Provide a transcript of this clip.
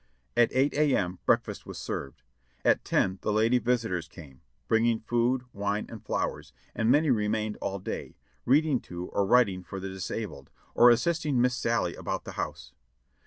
At eight A. M. breakfast was served ; at ten the lady visitors came, bringing food, wine and flowers, and many remained all day, reading to or writing for the disabled, or assisting Miss Sallie about the house.